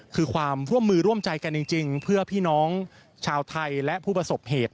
คือความร่วมมือร่วมใจกันจริงเพื่อพี่น้องชาวไทยและผู้ประสบเหตุ